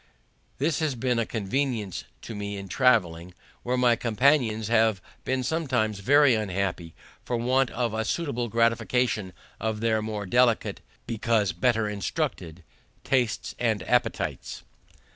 This has been a convenience to me in traveling, where my companions have been sometimes very unhappy for want of a suitable gratification of their more delicate, because better instructed, tastes and appetites.